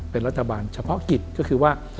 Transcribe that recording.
เป็นรัฐบาลเฉพาะกิจก็คือว่า